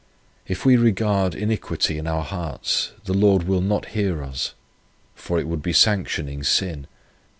If we regard iniquity in our hearts, the Lord will not hear us, for it would be sanctioning sin.